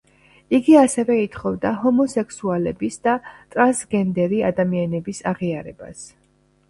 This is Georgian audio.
იგი ასევე ითხოვდა ჰომოსექსუალების და ტრანსგენდერი ადამიანების აღიარებას.